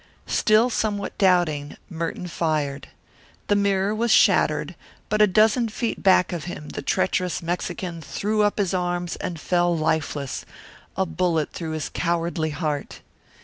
Still somewhat doubting, Merton fired. The mirror was shattered, but a dozen feet back of him the treacherous Mexican threw up his arms and fell lifeless, a bullet through his cowardly heart.